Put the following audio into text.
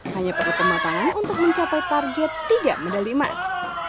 hanya perkembangan tangan untuk mencapai target tiga medali emas